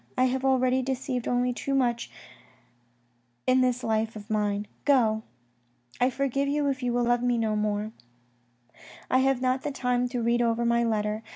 I have already deceived only too much in this life of mine. Go ! I forgive you if you love me no more. I have not the time to read over my letter.